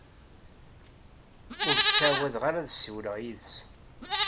Ur ttɛawadeɣ ad ssiwleɣ yid-s.